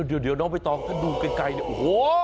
เดี๋ยวน้องพี่ต้องถ้าดูไกลโอ้โฮ